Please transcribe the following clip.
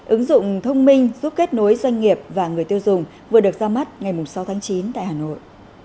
ứng dụng thông minh giúp kết nối doanh nghiệp và người tiêu dùng vừa được ra mắt ngày sáu tháng chín tại hà nội